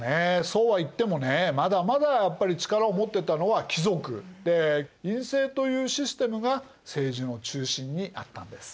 そうは言ってもねまだまだやっぱり力を持ってたのは貴族で院政というシステムが政治の中心にあったんです。